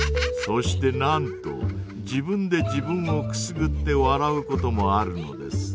そしてなんと自分で自分をくすぐって笑うこともあるのです。